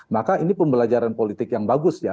maka ini pembelajaran politik yang bagus ya